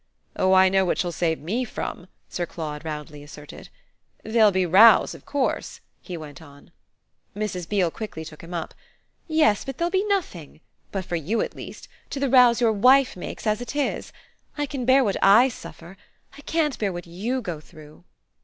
"Oh I know what she'll save ME from!" Sir Claude roundly asserted. "There'll be rows of course," he went on. Mrs. Beale quickly took him up. "Yes, but they'll be nothing for you at least to the rows your wife makes as it is. I can bear what I suffer I can't bear what you go through."